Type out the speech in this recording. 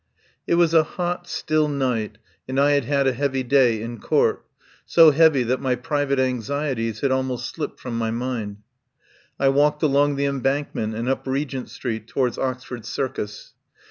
It was a hot, still night, and I had had a heavy day in Court, so heavy that my private anxieties had almost slipped from my mind. I walked along the Embankment, and up Re gent Street towards Oxford Circus.